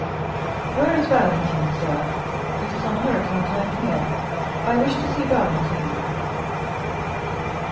Where is Valentine, sir? It is on her account I am here; I wish to see Valentine."